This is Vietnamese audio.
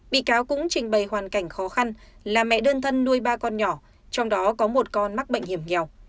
bị cáo cũng trình bày hoàn cảnh khó khăn là mẹ đơn thân nuôi ba con nhỏ trong đó có một con mắc bệnh hiểm nghèo